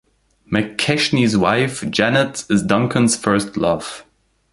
McKechnie's wife, Janet, is Duncan's first love.